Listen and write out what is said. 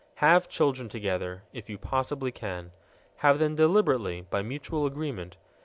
Have children together_ if you possibly can. Have them deliberately, by mutual agreement.